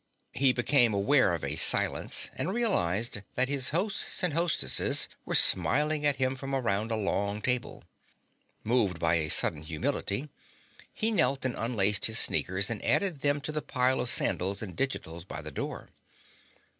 He became aware of a silence and realized that his hosts and hostesses were smiling at him from around a long table. Moved by a sudden humility, he knelt and unlaced his sneakers and added them to the pile of sandals and digitals by the door.